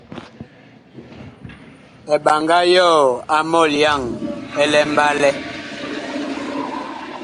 Eɓaŋga yɔɔ a mɔlyaŋ ɛ mbalɛ.